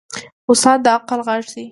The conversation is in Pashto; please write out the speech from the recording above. استاد د عقل غږ دی.